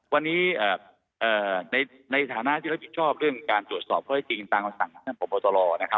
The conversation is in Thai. วันนี้ในฐานะที่เราผิดชอบเรื่องการตรวจสอบข้อที่จริงตามสั่งขนาดบบนโพธล